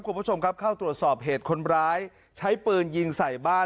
คุณผู้ชมครับเข้าตรวจสอบเหตุคนร้ายใช้ปืนยิงใส่บ้าน